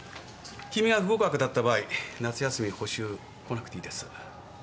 君が不合格だった場合夏休み補習来なくていいです。